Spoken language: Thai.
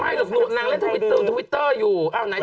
อยู่ทวิทเตอร์อยู่